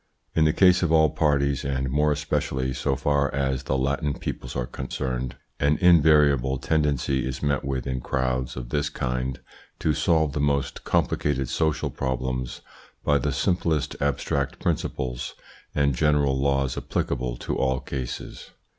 In the case of all parties, and more especially so far as the Latin peoples are concerned, an invariable tendency is met with in crowds of this kind to solve the most complicated social problems by the simplest abstract principles and general laws applicable to all cases.